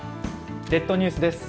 列島ニュースです。